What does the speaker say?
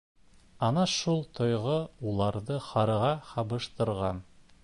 Ана шул тойғо уларҙы һарыға һабыштырған.